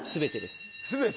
全て。